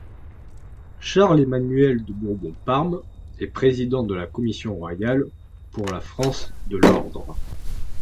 Charles-Emmanuel de Bourbon-Parme est président de la commission royale pour la France de l'ordre.